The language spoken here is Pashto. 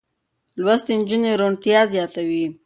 لوستې نجونې روڼتيا زياتوي.